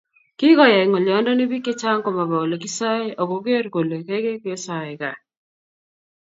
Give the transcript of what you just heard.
Kikoyai ngolyondoni bik chechang komaba Ole kisoe akoker kole keikei kosae gaa